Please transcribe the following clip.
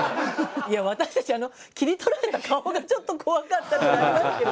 いや私たちあの切り取られた顔がちょっと怖かったってありますけど。